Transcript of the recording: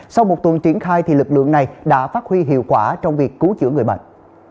sau một tuần triển khai lực lượng này đã phát huy hiệu quả trong việc cứu chữa người bệnh